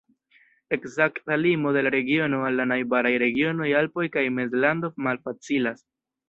Ekzakta limo de la regiono al la najbaraj regionoj Alpoj kaj Mezlando malfacilas.